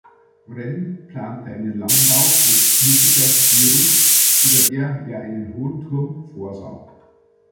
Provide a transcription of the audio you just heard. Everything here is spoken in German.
Wren plante einen Langbau mit mittiger Vierung, über der er einen hohen Turm vorsah.